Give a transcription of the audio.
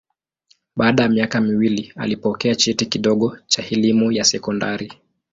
Baada ya miaka miwili alipokea cheti kidogo cha elimu ya sekondari.